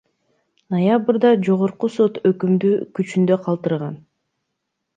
Ноябрда Жогорку сот өкүмдү күчүндө калтырган.